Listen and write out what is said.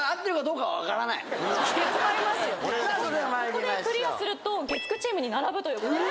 ここでクリアすると月９チームに並ぶということで。